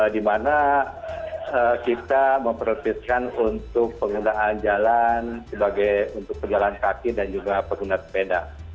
di mana kita memperoletiskan untuk penggunaan jalan untuk pejalan kaki dan juga pengguna sepeda